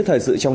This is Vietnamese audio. cơ sở phòng y